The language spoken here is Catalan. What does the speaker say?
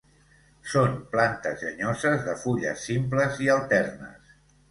Són plantes llenyoses de fulles simples i alternes.